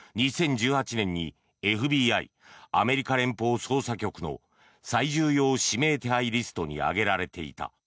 ２０１８年にＦＢＩ・アメリカ連邦捜査局の最重要指名手配リストに挙げられていた。